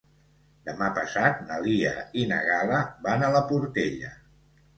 Demà passat na Lia i na Gal·la van a la Portella.